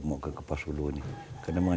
mau ke kepua sulu ini karena